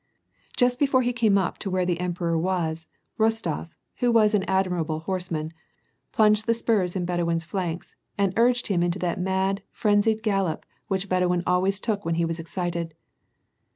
Just before he came up to where the emperor was, Rostof, who was an admirable horseman, plunged the spurs in Bedouin's flanks, and urged him into that mad, frenzied gallop which Bedouin always took when he was excited.